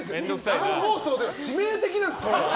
生放送では致命的です。